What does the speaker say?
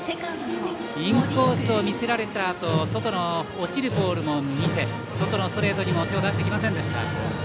インコースを見せられたあと外の落ちるボールも見て外のストレートにも手を出してきませんでした。